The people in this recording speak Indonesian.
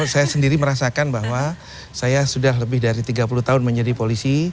saya sendiri merasakan bahwa saya sudah lebih dari tiga puluh tahun menjadi polisi